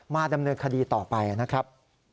ดำเนินคดีต่อไปนะครับ